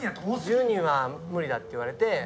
１０人は無理だって言われて。